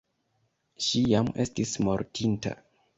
Ŝi jam estis mortinta.